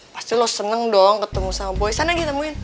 pasti lo seneng dong ketemu sama boy sana ditemuin